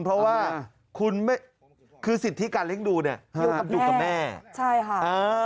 เพราะว่าคุณคือสิทธิการเลี้ยงดูเนี่ยอยู่กับแม่ใช่ค่ะเออ